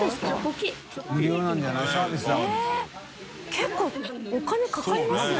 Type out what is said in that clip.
結構お金かかりますよね？